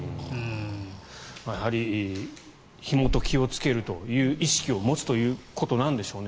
やはり火元に気をつけるという意識を持つということでしょうね。